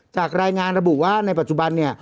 จากรายงานระบุว่าในปัจจุบันเนี่ย